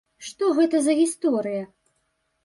Што гэта за гісторыя?